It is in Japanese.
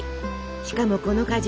しかもこの果汁。